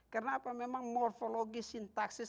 karena apa memang morfologi sintaksis